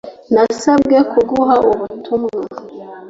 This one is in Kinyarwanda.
Nasabwe kuguha ubutumwa